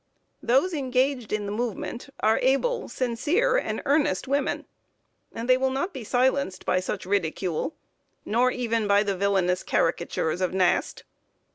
Those engaged in the movement are able, sincere and earnest women, and they will not be silenced by such ridicule, nor even by the villainous caricatures of Nast.